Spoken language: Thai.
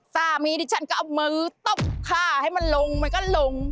สามีดิฉันก็เอามือตบข้าให้มันลงมันก็ลง